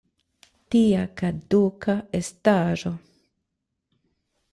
Tia kaduka estaĵo!